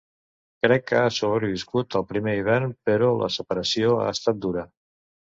Crec que ha sobreviscut al primer hivern, però la separació ha estat dura.